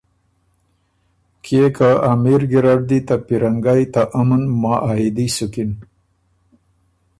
کيې که امیر ګیرډ دی ته پیرنګئ ته امن معاهدي سُکِن